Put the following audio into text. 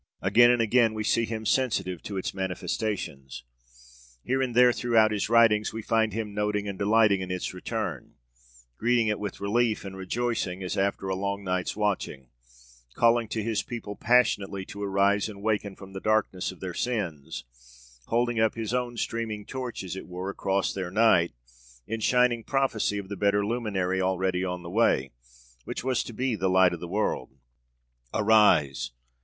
Again and again we see him sensitive to its manifestations. Here and there throughout his writings we find him noting and delighting in its return, greeting it with relief and rejoicing, as after a long night's watching; calling to his people passionately to arise and waken from the darkness of their sins, holding up his own streaming torch, as it were, across their night, in shining prophecy of the better luminary already on the way, which was to be the light of the world. 'Arise!